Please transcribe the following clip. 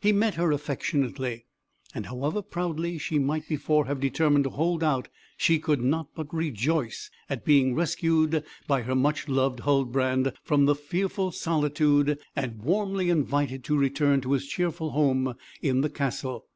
He met her affectionately and however proudly she might before have determined to hold out, she could not but rejoice at being rescued by her much loved Huldbrand from the fearful solitude, and warmly invited to return to his cheerful home in the castle.